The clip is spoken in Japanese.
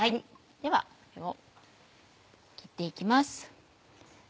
ではこれを切って行きます。